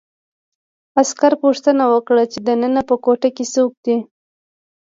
عسکر پوښتنه وکړه چې دننه په کوټه کې څوک دي